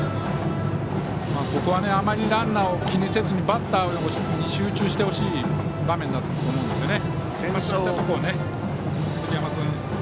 ここはあまりランナーを気にせずバッターに集中してほしい場面だと思うんですよね。